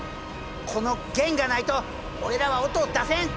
この弦がないと俺らは音を出せん！